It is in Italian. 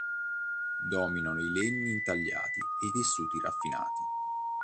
Dominano i legni intagliati e tessuti raffinati.